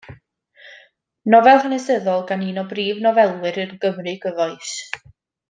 Nofel hanesyddol gan un o brif nofelwyr y Gymru gyfoes.